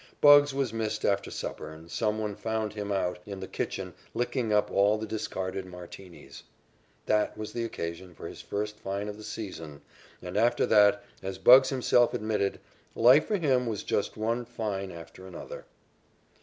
"Bugs" was missed after supper and some one found him out in the kitchen licking up all the discarded Martinis. That was the occasion of his first fine of the season, and after that, as "Bugs" himself admitted, "life for him was just one fine after another."